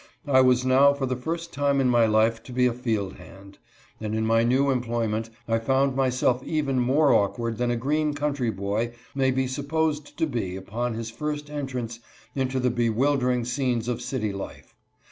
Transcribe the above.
I was now for the first time in my life to be a field hand; and in my new employment I found myself even more awkward than a green country boy may be supposed to be upon his first entrance into the bewildering scenes of city life.